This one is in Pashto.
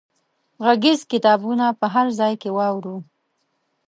غږیز کتابونه په هر ځای کې واورو.